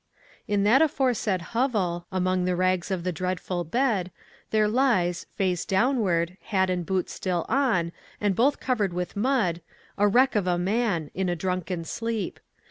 In that aforesaid hovel, among the rags of the dreadful bed, there lies, face down ward, hat and boots still on, and both cov ered with mud, a wreck of a man, in a ISO ONE COMMONPLACE DAY. drunken sleep.